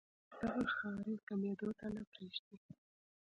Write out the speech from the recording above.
دغه خارښ کمېدو ته نۀ پرېږدي